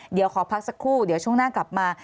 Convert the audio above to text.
เดี๋ยวขอพักสักครู่เดี๋ยวช่วงหน้ากลับมา